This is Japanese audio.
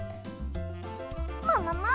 ももも！